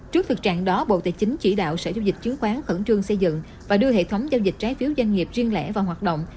trước thực trạng đó bộ tài chính chỉ đạo sở giao dịch chứng khoán khẩn trương xây dựng và đưa hệ thống giao dịch trái phiếu doanh nghiệp riêng lẻ vào hoạt động